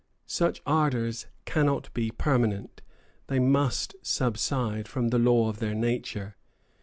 Such ardors cannot be permanent; they must subside, from the law of their nature.